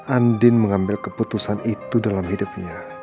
andin mengambil keputusan itu dalam hidupnya